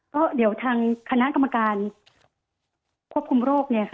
ก็เดี๋ยวทางคณะกรรมการควบคุมโรค